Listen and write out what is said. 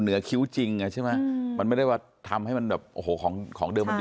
เหนือคิ้วจริงอ่ะใช่ไหมมันไม่ได้ว่าทำให้มันแบบของเดิมมัน